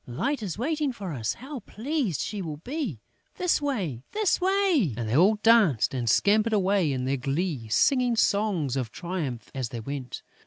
Light is waiting for us!... How pleased she will be!... This way, this way!..." And they all danced and scampered away in their glee, singing songs of triumph as they went.